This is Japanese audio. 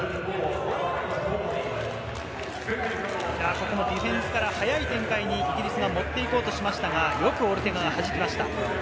ここもディフェンスから速い展開にイギリスが持って行こうとしましたが、よくオルテガが弾きました。